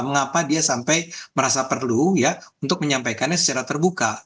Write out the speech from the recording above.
mengapa dia sampai merasa perlu ya untuk menyampaikannya secara terbuka